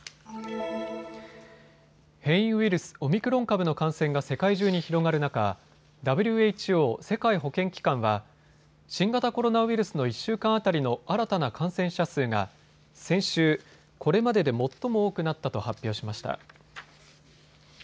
変異ウイルス、オミクロン株の感染が世界中に広がる中、ＷＨＯ・世界保健機関は新型コロナウイルスの１週間当たりの新たな感染者数が先週、これまでで最も多くなったと発表しました。